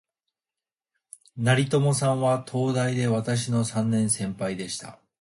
成友さんは、東大で私の三年先輩でした